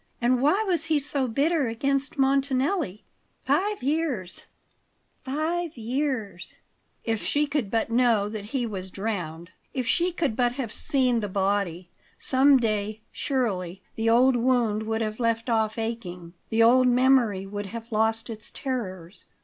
And why was he so bitter against Montanelli? Five years five years If she could but know that he was drowned if she could but have seen the body; some day, surely, the old wound would have left off aching, the old memory would have lost its terrors.